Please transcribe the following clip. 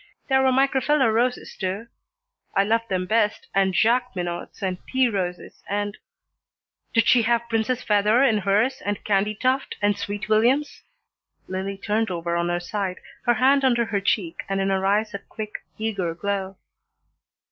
There were Micrafella roses, too. I loved them best, and Jacqueminots, and tea roses, and " "Did she have princess feather in hers, and candytuft, and sweet williams?" Lillie turned over on her side, her hand under her cheek, and in her eyes a quick, eager glow.